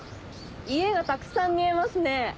家がたくさん見えますね。